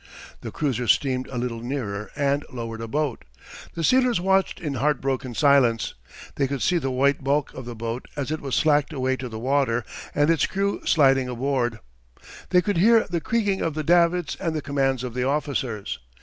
The cruiser steamed a little nearer and lowered a boat. The sealers watched in heartbroken silence. They could see the white bulk of the boat as it was slacked away to the water, and its crew sliding aboard. They could hear the creaking of the davits and the commands of the officers.